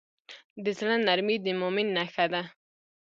د زړه نرمي د مؤمن نښه ده.